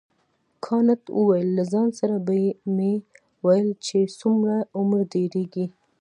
کانت وویل له ځان سره به مې ویل چې څومره عمر ډیریږي.